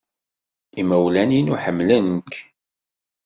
Imawlan-inu ḥemmlen-k.